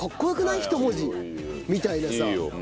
一文字」みたいなさ。